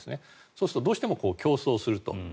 そうするとどうしても競争すると。